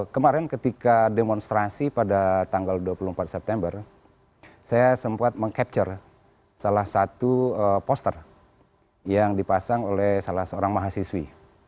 kemarin ketika demonstrasi pada tanggal dua puluh empat september saya sempat meng capture salah satu poster yang dipasang oleh salah seorang mahasiswi